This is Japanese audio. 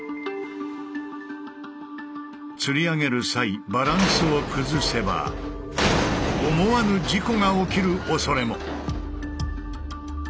つり上げる際バランスを崩せば思わぬ事故が起きるおそれも。